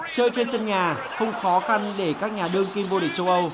chơi trên sân nhà không khó khăn để các nhà đơn xin vô địch châu âu